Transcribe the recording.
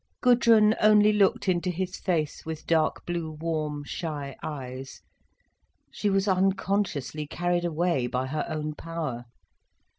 Gudrun only looked into his face with dark blue, warm, shy eyes. She was unconsciously carried away by her own power.